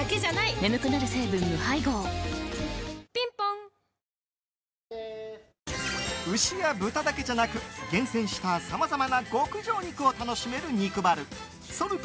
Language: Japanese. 眠くなる成分無配合ぴんぽん牛や豚だけじゃなく厳選したさまざまな極上肉を楽しめる肉バルＳａｌｔ